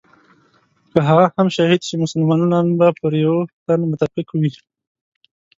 که هغه هم شهید شي مسلمانان به پر یوه تن متفق وي.